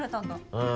うん。